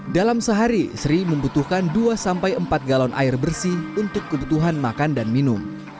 dalam sehari sri membutuhkan dua sampai empat galon air bersih untuk kebutuhan makan dan minum